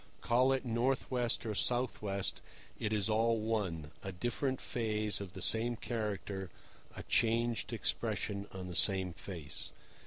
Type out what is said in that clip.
Call it north west or south west, it is all one—a different phase of the same character, a changed expression on the same face.